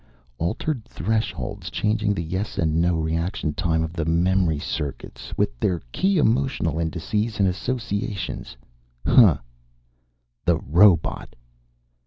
Altered thresholds, changing the yes and no reaction time of the memory circuits, with their key emotional indices and associations ... huh? The robot!